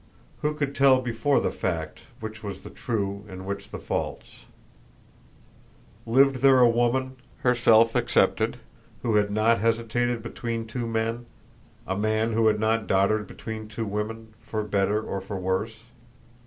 Who could tell before the fact which was the true and which the false? Lived there a woman, herself excepted, who had not hesitated between two men a man who had not doddered between two women for better or for worse?